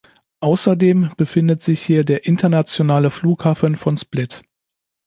Außerdem befindet sich hier der internationale Flughafen von Split.